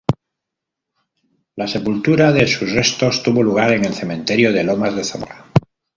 La sepultura de sus restos tuvo lugar en el cementerio de Lomas de Zamora.